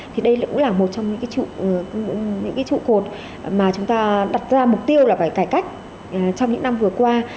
thì đây cũng là một trong những trụ cột mà chúng ta đặt ra mục tiêu là phải cải cách trong những năm vừa qua